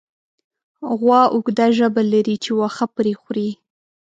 غوا اوږده ژبه لري چې واښه پرې خوري.